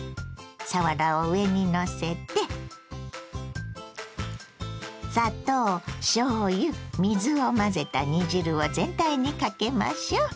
さわらを上にのせて砂糖しょうゆ水を混ぜた煮汁を全体にかけましょう。